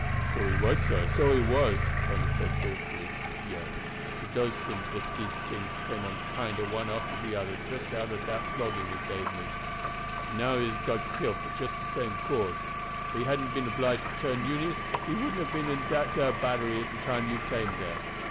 "So he was, sah, so he was," Tony said thoughtfully. "Yes, it does seem as if all dese tings came on kinder one after de oder just out ob dat flogging he gabe me; and now he has got killed for just de same cause, for if he hadn't been obliged to turn Unionist he wouldn't have been in dat dar battery at de time you came dere.